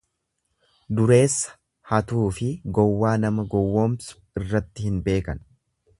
Dureessa hatuufi gowwaa nama gowwomsu irratti hin beekan.